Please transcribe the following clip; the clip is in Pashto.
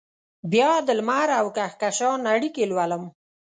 بیا دلمر اوکهکشان اړیکې لولم